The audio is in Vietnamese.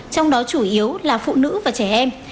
trong đó chủ yếu là phụ nữ và trẻ em